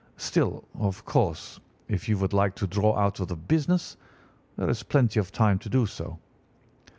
Still, of course, if you would like to draw out of the business, there is plenty of time to do so.